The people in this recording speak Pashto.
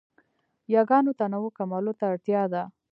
یاګانو تنوع کمولو ته اړتیا ده.